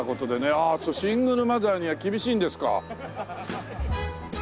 ああシングルマザーには厳しいんですか。